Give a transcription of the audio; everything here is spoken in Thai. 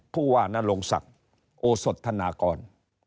ผู้ว่านรงศักดิ์โอสธนากร